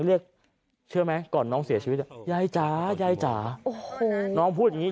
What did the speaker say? เรียกเชื่อไหมก่อนน้องเสียชีวิตอ่ะยายจ๋ายายจ๋าโอ้โหน้องพูดอย่างงี้